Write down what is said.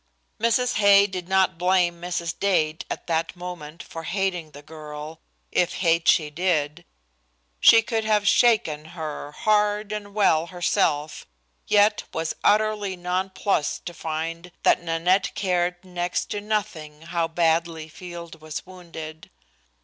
Mrs. Hay did not blame Mrs. Dade at that moment for hating the girl, if hate she did. She could have shaken her, hard and well, herself, yet was utterly nonplussed to find that Nanette cared next to nothing how badly Field was wounded.